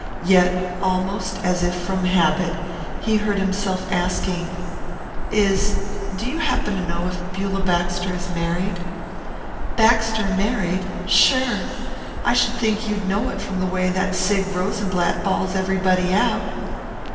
Yet, almost as if from habit, he heard himself asking, "Is do you happen to know if Beulah Baxter is married?" "Baxter married? Sure! I should think you'd know it from the way that Sig Rosenblatt bawls everybody out."